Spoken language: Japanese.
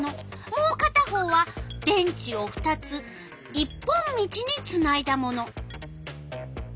もうかた方は電池を２つ一本道につないだもの。